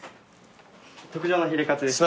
特上のヒレかつです。